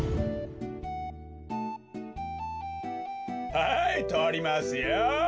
はいとりますよ。